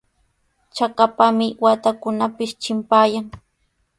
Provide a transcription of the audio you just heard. Chakapami waatakunapis chimpayan.